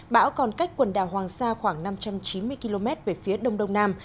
bão còn cách quần đảo hoàng sa khoảng năm trăm chín mươi km về phía đông đông nam